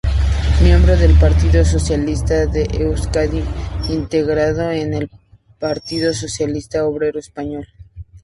Miembro del Partido Socialista de Euskadi integrado en el Partido Socialista Obrero Español.